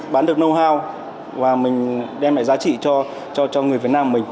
bán được know how và mình đem lại giá trị cho người việt nam mình